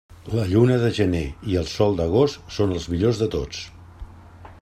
La lluna de gener i el sol d'agost són els millors de tots.